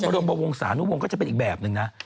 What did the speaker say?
เขามารวมบัววงศาหนุ่มวงศาก็จะเป็นอีกแบบหนึ่งนะ